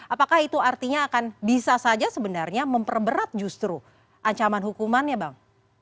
apakah itu artinya akan bisa saja sebenarnya memperberat justru ancaman hukumannya bang